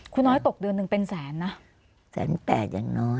น้อยตกเดือนหนึ่งเป็นแสนนะแสนแตกอย่างน้อย